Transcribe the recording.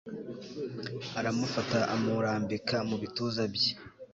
aramufata amurambika mubituza bye